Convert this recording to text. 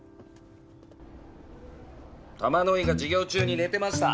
玉乃井が授業中に寝てました。